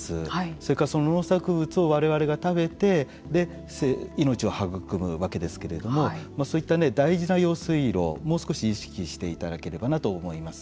それからその農作物を我々が食べて命を育むわけですけれどもそういった大事な用水路をもう少し意識していただければなと思います。